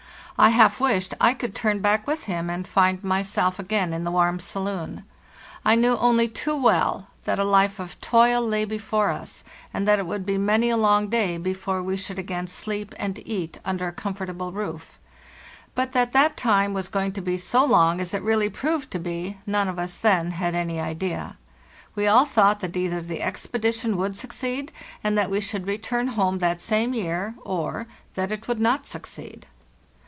I half wished I could turn back with him and find myself again in the warm saloon; I knew only too well that a life of toil lay before us, and that it would be many a long day before we should again sleep and eat under a comfortable roof; but that that time was going to be so long as it really proved to be, none of us then had any idea. We all thought that either the expedi tion would succeed, and that we should return home that same year, or—that it would not succeed.